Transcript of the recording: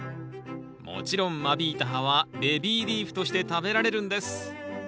もちろん間引いた葉はベビーリーフとして食べられるんです。